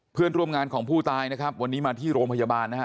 เพื่อนร่วมงานของผู้ตายนะครับวันนี้มาที่โรงพยาบาลนะฮะ